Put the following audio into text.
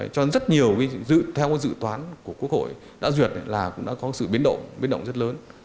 cho rất nhiều theo dự toán của quốc hội đã duyệt là cũng đã có sự biến động biến động rất lớn